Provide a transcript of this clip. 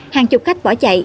hàng chục khách bỏ chạy